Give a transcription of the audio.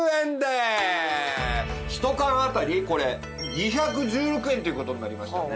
１缶当たりこれ２１６円っていう事になりますよね？